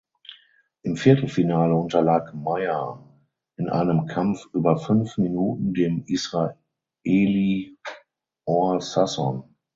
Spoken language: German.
Im Viertelfinale unterlag Meyer in einem Kampf über fünf Minuten dem Israeli Or Sasson.